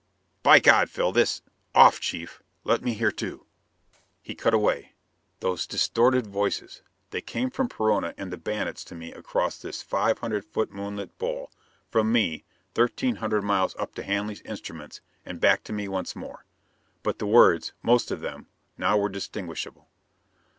"By God. Phil! This " "Off, Chief! Let me hear, too!" He cut away. Those distorted voices! They came from Perona and the bandits to me across this five hundred foot moonlit bowl; from me, thirteen hundred miles up to Hanley's instruments; and back to me once more. But the words, most of them, now were distinguishable.